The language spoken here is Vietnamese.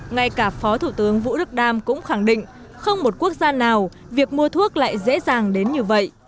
ngay cả phó thủ tướng vũ đức đam cũng khẳng định không một quốc gia nào việc mua thuốc lại dễ dàng đến như vậy